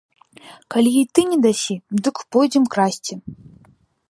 Калі і ты не дасі, дык пойдзем красці.